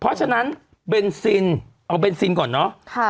เพราะฉะนั้นเบนซินเอาเบนซินก่อนเนาะ